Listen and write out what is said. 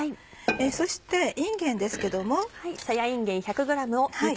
そしていんげんですけども。